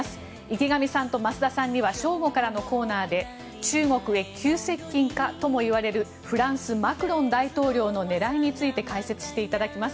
池上さんと増田さんには正午からのコーナーで中国へ急接近かともいわれるフランス、マクロン大統領の狙いについて解説していただきます。